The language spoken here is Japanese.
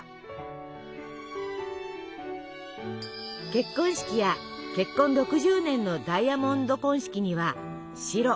結婚式や結婚６０年のダイヤモンド婚式には白。